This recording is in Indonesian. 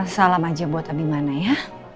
salam aja buat abimana ya